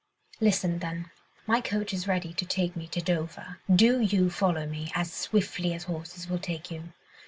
"Listen, then. My coach is ready to take me to Dover. Do you follow me, as swiftly as horses will take you.